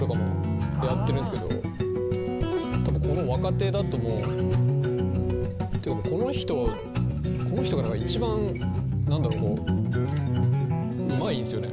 多分この若手だともうていうかもうこの人が一番何だろこううまいんすよね。